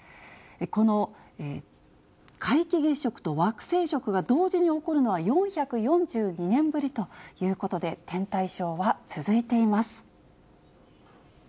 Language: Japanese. この皆既月食と惑星食が同時に起こるのは、４４２年ぶりということで、天体ショーは続いています。